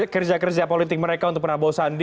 kerja kerja politik mereka untuk pnab